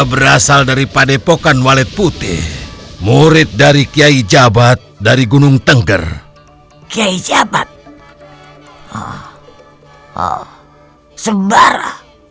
berasal dari padepokan walet putih murid dari kiai jabat dari gunung tengger kiai jabat sembara